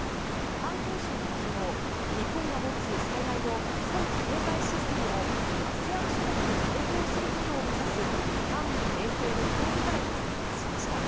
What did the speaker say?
環境省は昨日日本が持つ災害の早期警戒システムをＡＳＥＡＮ諸国に提供することを目指す官民連携の協議会を設立しました。